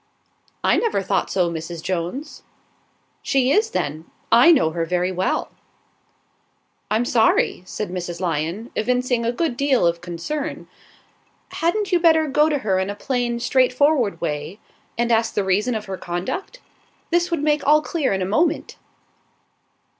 "I never thought so, Mrs. Jones." "She is, then. I know her very well." "I'm sorry," said Mrs. Lyon, evincing a good deal of concern. "Hadn't you better go to her in a plain, straight forward way, and ask the reason of her conduct? This would make all clear in a moment."